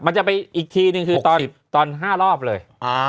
จะไปอีกทีนึงคือตอน๕รอบเลย